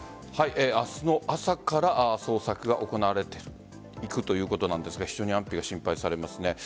明日の朝から捜索が行われていくということなんですが非常に安否が心配されますね。